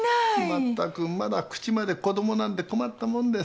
全くまだ口まで子供なんで困ったもんです。